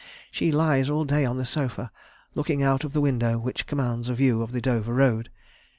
She lies all day on the sofa, looking out of the window, which commands a view of the Dover Road.